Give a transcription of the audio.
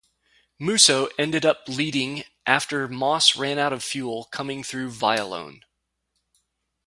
Musso ended up leading after Moss ran out of fuel coming through Vialone.